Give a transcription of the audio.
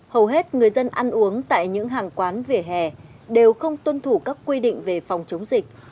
hầu hết người dân ăn uống tại những hàng quán vỉa hè đều không tuân thủ các quy định về phòng chống dịch